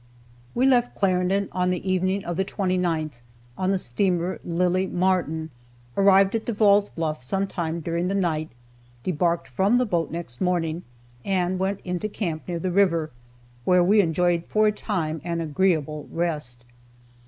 We left Clarendon on the evening of the 29th, on the steamer "Lillie Martin," arrived at Devall's Bluff some time during the night, debarked from the boat next morning, and went into camp near the river, where we enjoyed for a time an agreeable rest.